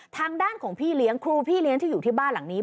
ทางด้านของพี่เลี้ยงครูพี่เลี้ยงที่อยู่ที่บ้านหลังนี้